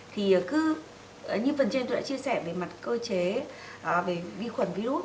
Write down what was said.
thì cứ như phần trên tôi đã chia sẻ về mặt cơ chế về vi khuẩn virus